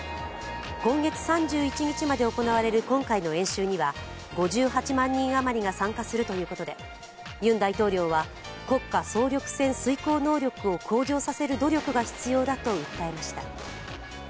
今月３１日まで行われる今回の演習には５８万人余りが参加するということでユン大統領は国家総力戦遂行能力を向上させる努力が必要だと訴えました。